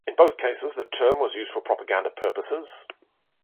In both cases, the term was used for propaganda purposes.